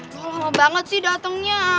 udah lama banget sih datengnya